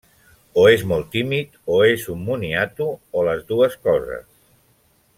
O és molt tímid, o és un moniato, o les dues coses.